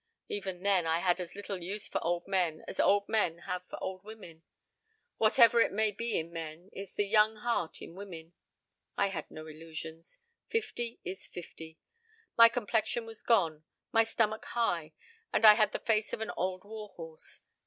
Even then I had as little use for old men as old men have for old women. Whatever it may be in men, it's the young heart in women. I had no illusions. Fifty is fifty. My complexion was gone, my stomach high, and I had the face of an old war horse.